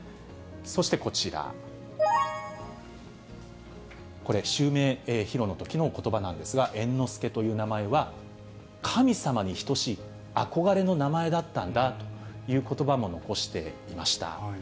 そしてこちら、これ、襲名披露のときのことばなんですが、猿之助という名前は、神様に等しい憧れの名前だったんだということばも残していました。